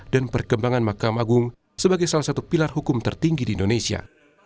dan perkembangan mahkamah agung sebagai salah satu pilar hukum tertinggi di indonesia